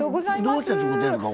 どうして作ってるんですか？